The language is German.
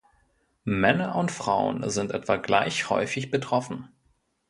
Männer und Frauen sind etwa gleich häufig betroffen.